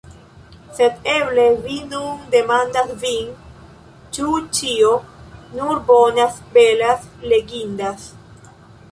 Sed eble vi nun demandas vin, ĉu ĉio nur bonas, belas, legindas.